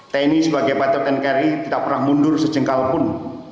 tni sebagai patro nkri tidak pernah mundur sejengkal pun